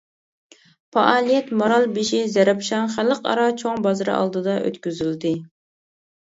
پائالىيەت مارالبېشى زەرەپشان خەلقئارا چوڭ بازىرى ئالدىدا ئۆتكۈزۈلدى.